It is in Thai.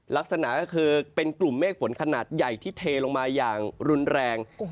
ลักษณะก็คือเป็นกลุ่มเมฆฝนขนาดใหญ่ที่เทลงมาอย่างรุนแรง